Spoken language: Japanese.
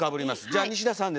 じゃあ西田さんです。